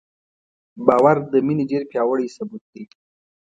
باور د مینې ډېر پیاوړی ثبوت دی.